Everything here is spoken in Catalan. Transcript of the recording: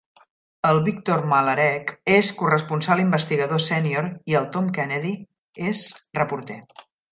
El Victor Malarek és corresponsal investigador sènior i el Tom Kennedy és reporter.